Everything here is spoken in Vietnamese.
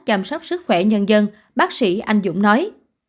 chăm sóc sức khỏe nhân dân bác sĩ anh dũng nói